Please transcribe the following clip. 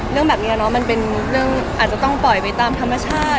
เรื่องแบบนี้เนอะมันเป็นเรื่องอาจจะต้องปล่อยไปตามธรรมชาติ